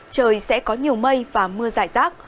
trời sẽ có nhiều mây và mưa rải rác